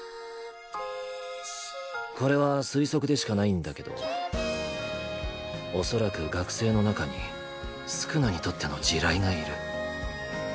これは推測でしかないんだけどおそらく学生の中に宿儺にとっての地雷がいる。